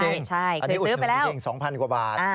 อันนี้อุดหนุนจริง๒๐๐กว่าบาท